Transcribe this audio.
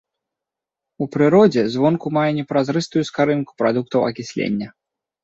У прыродзе звонку мае непразрыстую скарынку прадуктаў акіслення.